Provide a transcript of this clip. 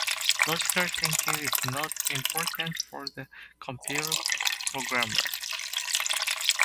Logical thinking is not important for a computer programmer.